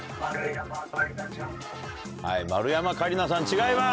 はい丸山桂里奈さん違います。